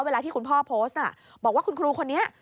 ที่คุณพ่อโพสต์บอกว่าคุณครูคนนี้